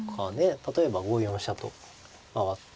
例えば５四飛車と回って。